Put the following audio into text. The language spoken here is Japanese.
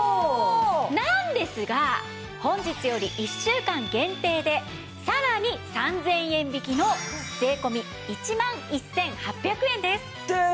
なんですが本日より１週間限定でさらに３０００円引きの税込１万１８００円です。